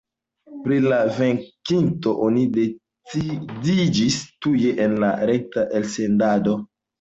Pri la venkinto oni decidiĝis tuj en rekta elsendado.